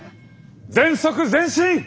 全速前進！